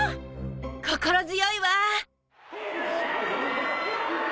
心強いわ！